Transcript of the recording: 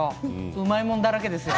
うまいもんだらけですよ。